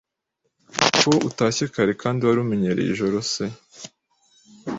Ko utashye kare kandi wari umenyereye ijoro se